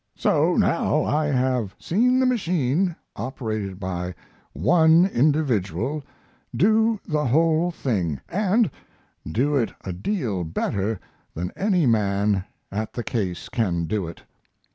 So now I have seen the machine, operated by one individual, do the whole thing, and do it a deal better than any man at the case can do it.